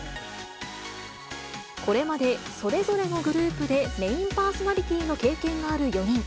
これまで、それぞれのグループでメインパーソナリティーの経験のある４人。